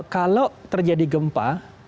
kalau terjadi gempa